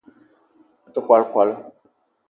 Me te kwal kwala